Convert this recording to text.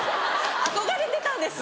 憧れてたんです！